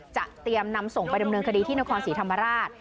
เตรียมนำส่งไปดำเนินคดีที่นครศรีธรรมราช